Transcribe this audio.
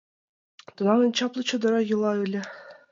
Тунам эн чапле чодыра йӱла ыле.